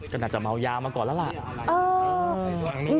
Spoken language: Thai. ก็น่าจะเมายามาก่อนแล้วล่ะ